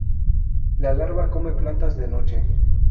La larva come plantas de noche.